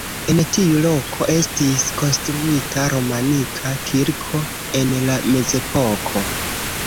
En tiu loko estis konstruita romanika kirko en la mezepoko.